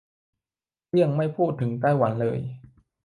เลี่ยงไม่พูดถึงไต้หวันเลย